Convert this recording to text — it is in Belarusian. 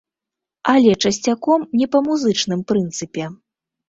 Але часцяком не па музычным прынцыпе.